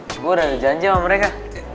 gue udah janji sama mereka